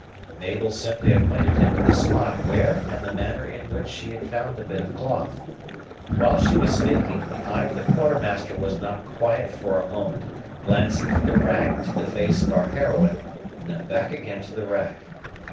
Mabel simply acquainted him with the spot where and the manner in which she had found the bit of cloth. While she was speaking, the eye of the Quartermaster was not quiet for a moment, glancing from the rag to the face of our heroine, then back again to the rag.